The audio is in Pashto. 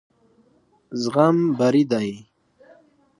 زغم بري دی.